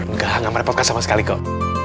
enggak gak merepotkan sama sekali kok